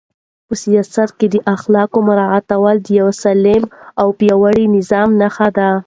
په سیاست کې د اخلاقو مراعاتول د یو سالم او پیاوړي نظام نښه ده.